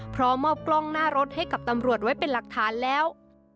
พร้อมมอบกล้องหน้ารถให้กับตำรวจไว้เป็นหลักฐานแล้ว